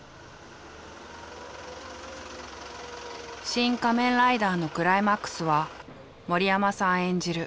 「シン・仮面ライダー」のクライマックスは森山さん演じる